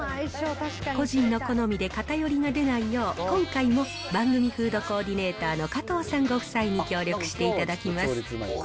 個人の好みで偏りが出ないよう、今回も番組フードコーディネーターの加藤さんご夫妻に協力していただきます。